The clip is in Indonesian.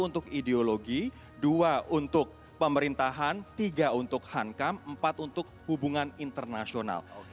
untuk ideologi dua untuk pemerintahan tiga untuk hankam empat untuk hubungan internasional